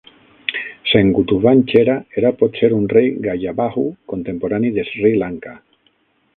Senguttuvan Chera era potser un rei Gajabahu contemporani de Sri Lanka.